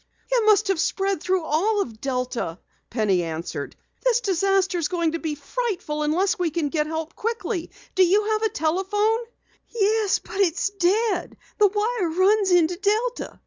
"It must have spread through all of Delta," Penny answered. "This disaster's going to be frightful unless we can get help quickly. Do you have a telephone?" "Yes, but it's dead. The wire runs into Delta."